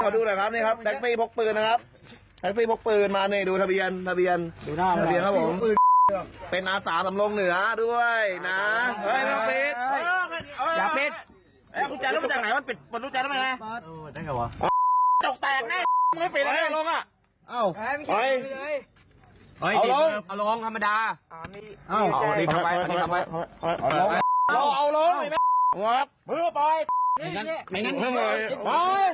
โดนรุมประชาธรรม์เละเลยทีเดียว